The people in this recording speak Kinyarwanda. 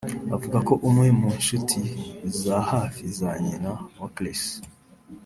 avuga ko umwe mu nshuti za hafi za nyina wa Chris